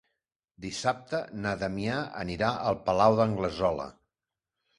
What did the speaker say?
Dissabte na Damià anirà al Palau d'Anglesola.